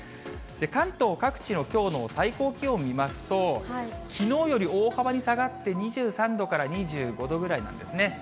関東各地のきょうの最高気温を見ますと、きのうより大幅に下がって２３度から２５度ぐらいなんですね。